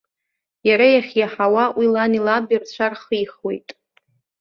Иара иахьиаҳауа уи лани лаби рцәа рхихуеит.